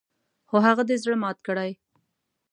خو هغه دې زړه مات کړي .